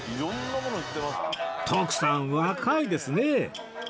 徳さん若いですね